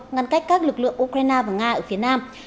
ngăn cách các lực lượng ukraine và nga ở phía nam